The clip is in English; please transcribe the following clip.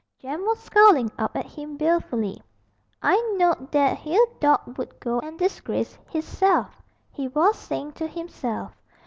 Jem was scowling up at him balefully. 'I know'd that 'ere dawg would go and disgrace hisself,' he was saying to himself.